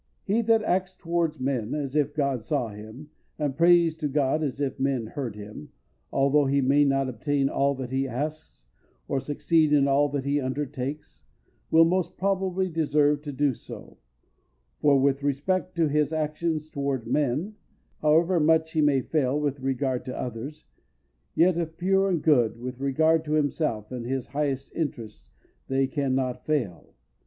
He that acts toward men as if God saw him, and prays to God as if men heard him, although he may not obtain all that he asks, or succeed in all that he undertakes, will most probably deserve to do so; for, with respect to his actions toward men, however much he may fail with regard to others, yet if pure and good, with regard to himself and his highest interests they can not fail.